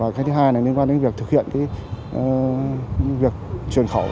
cái thứ hai là liên quan đến việc thực hiện việc truyền khẩu